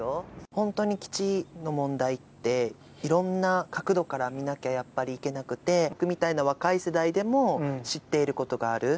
本当に基地の問題って、いろんな角度から見なきゃ、やっぱりいけなくて、僕みたいな若い世代でも知っていることがある。